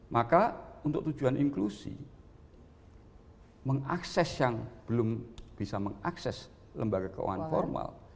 maka untuk tujuan inklusi mengakses yang belum bisa mengakses lembaga keuangan formal